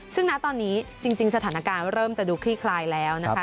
ซึ่งนะตอนนี้จริงสถานการณ์เริ่มจะดูคลี่คลายแล้วนะคะ